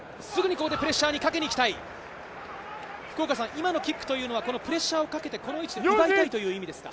今のキックというのはプレッシャーをかけてこの位置で奪いたいという意味ですか？